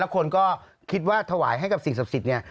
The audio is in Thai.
คนก็คิดว่าถวายให้กับสิ่งศักดิ์สิทธิ์เนี่ย